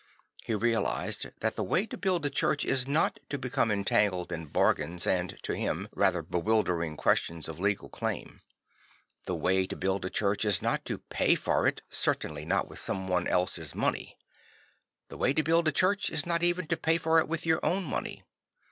He realised that the way to build a church is not to become entangled in bargains and, to him, rather bewildering questions of legal claim. The way to build a church is not to pay for it, certainly not with somebody else's money. The way to build a church is not even to pay for it with your own money.